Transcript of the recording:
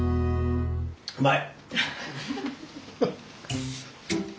うまい。